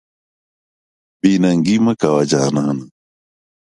بې ننګي مه کوه جانانه.